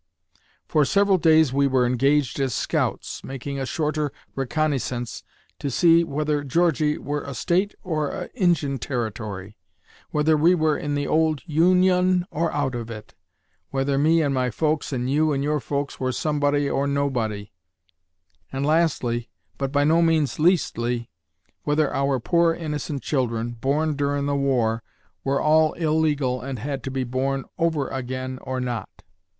For several days we were engaged as scouts, making a sorter reconysance to see whether Georgy were a State or a Injin territory, whether we were in the old Un ion or out of it, whether me and my folks and you and your folks were somebody or no body, and lastly, but by no means leastly, whether our poor innocent children, born durin' the war, were all illegal and had to be born over agin or not.